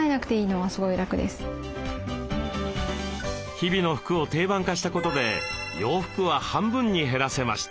日々の服を定番化したことで洋服は半分に減らせました。